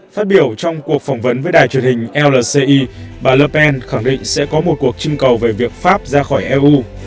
phát biểu trong cuộc phỏng vấn với đài truyền hình llci bà le pen khẳng định sẽ có một cuộc trưng cầu về việc pháp ra khỏi eu